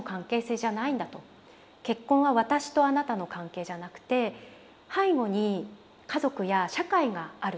結婚は私とあなたの関係じゃなくて背後に家族や社会があると。